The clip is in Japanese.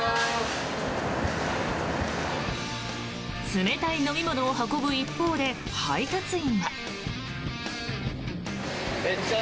冷たい飲み物を運ぶ一方で配達員は。